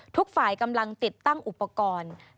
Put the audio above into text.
ทุกฝ่ายกำลังติดตั้งอุปกรณ์